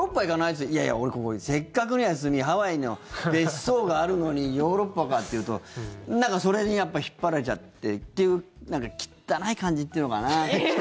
っていやいや、俺せっかくの休みハワイの別荘があるのにヨーロッパかっていうとなんかそれに引っ張られちゃってという汚い感じっていうのかな。